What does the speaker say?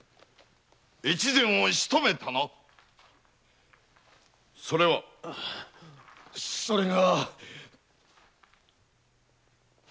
越前はしとめたなそれは？それが。